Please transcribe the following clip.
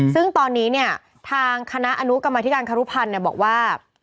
ซึ่งตอนนี้เนี่ยทางคณะอนุกรรมธิการครุพันธ์บอกว่า